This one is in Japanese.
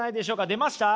出ました？